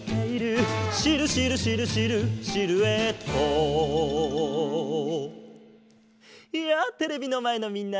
「シルシルシルシルシルエット」やあテレビのまえのみんな！